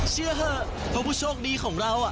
เชื่อเถอะเพราะผู้โชคดีของเรา